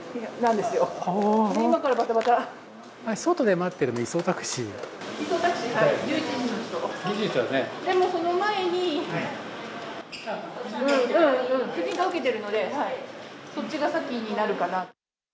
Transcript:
でもその前に、婦人科を受けてるので、そっちが先になるかな。